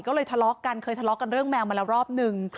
ก็เลยทะเลาะกันเคยทะเลาะกันเรื่องแมวมาแล้วรอบนึง